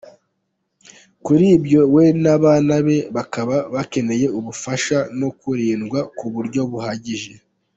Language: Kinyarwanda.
Kuri ibyo, we n’abana be, bakaba bakeneye ubufasha no kurindwa, ku buryo buhagije.